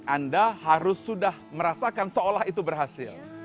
anda harus sudah merasakan seolah itu berhasil